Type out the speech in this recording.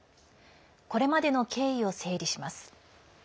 これまでの経緯を整理します。